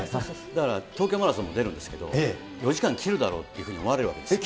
だから東京マラソンも出るんですけれども、４時間切るだろうっていうふうに思われるわけですよ。